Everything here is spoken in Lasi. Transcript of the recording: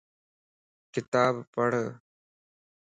کتاب پڙھ